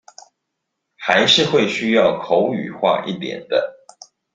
還是會需要口語化一點的